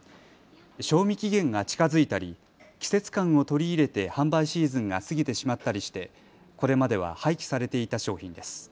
賞味期限が近づいたり季節感を取り入れて販売シーズンが過ぎてしまったりしてこれまでは廃棄されていた商品です。